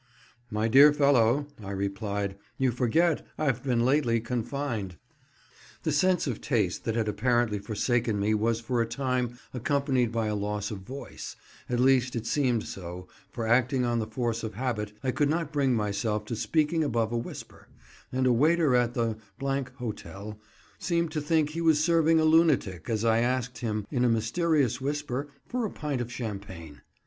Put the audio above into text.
"My dear fellow," I replied, "you forget I've been lately confined." The sense of taste that had apparently forsaken me was for a time accompanied by a loss of voice; at least it seemed so, for acting on the force of habit, I could not bring myself to speaking above a whisper; and a waiter at the — Hotel seemed to think he was serving a lunatic as I asked him in a mysterious whisper for a pint of champagne.